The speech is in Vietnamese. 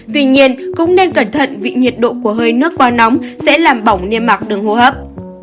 tuy nhiên cũng nên cẩn thận vị nhiệt độ của hơi nước qua nóng sẽ làm bỏng niêm mạc đường hô hấp